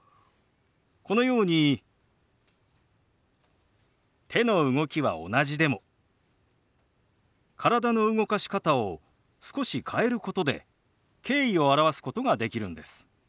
このように手の動きは同じでも体の動かし方を少し変えることで敬意を表すことができるんです。